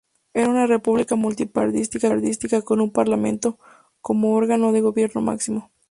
Era una república multipartidista con un parlamento como órgano de gobierno máximo.